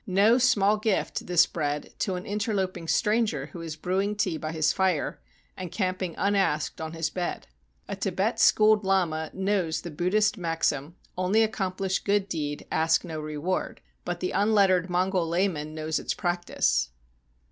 No small gift, this bread, to an interloping stranger who is brewing tea by his fire, and camping unasked on his bed. A Tibet schooled lama knows the Buddhist maxim, "Only accomplish good deed, ask no reward." But the unlettered Mongol layman knows its practice.